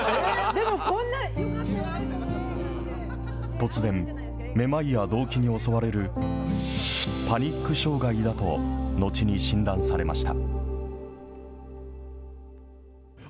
突然、めまいやどうきに襲われるパニック障害だと後に診断されました。